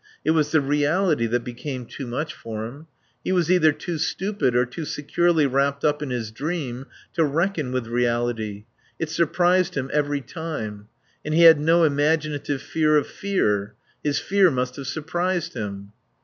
It was the reality that became too much for him. He was either too stupid, or too securely wrapped up in his dream to reckon with reality. It surprised him every time. And he had no imaginative fear of fear. His fear must have surprised him.